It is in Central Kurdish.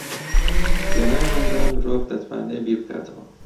لە ناویاندا مرۆڤ دەتوانێ بیر بکاتەوە